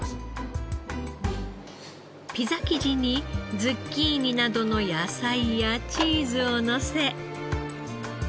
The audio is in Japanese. ピザ生地にズッキーニなどの野菜やチーズをのせ。